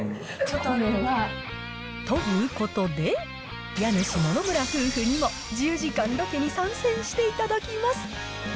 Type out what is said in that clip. これ、ということで、家主、野々村夫婦にも１０時間ロケに参戦していただきます。